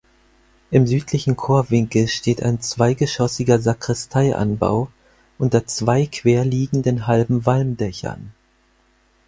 Im südlichen Chorwinkel steht ein zweigeschossiger Sakristeianbau unter zwei quer liegenden halben Walmdächern.